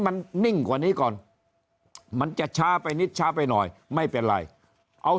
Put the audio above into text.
มันนิ่งกว่านี้ก่อนมันจะช้าไปนิดช้าไปหน่อยไม่เป็นไรเอา